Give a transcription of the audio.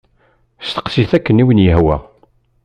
Steqsit akken i wen-yehwa.